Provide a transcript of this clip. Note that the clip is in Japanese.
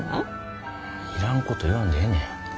いらんこと言わんでええねん。